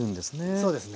そうですね。